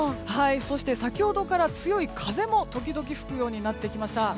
そして先ほどから強い風も時々吹くようになってきました。